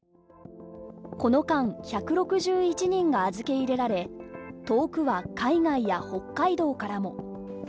この間、１６１人が預け入れられ遠くは海外や北海道からも。